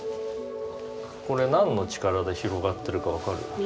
これ何の力で広がってるか分かる？